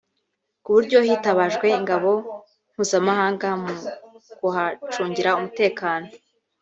ku buryo hitabajwe ingabo mpuzamahanga mu kuhacungira umutekano